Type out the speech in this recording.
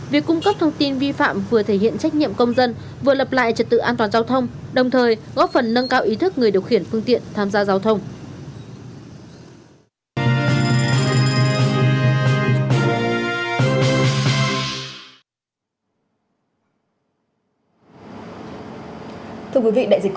việc cung cấp thông tin vi phạm vừa thể hiện trách nhiệm công dân vừa lập lại trật tự an toàn giao thông đồng thời góp phần nâng cao ý thức người điều khiển phương tiện tham gia giao thông